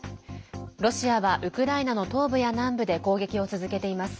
ロシアはウクライナの東部や南部で攻撃を続けています。